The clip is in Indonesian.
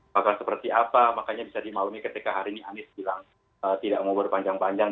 bahkan seperti apa makanya bisa dimaklumi ketika hari ini anies bilang tidak mau berpanjang panjang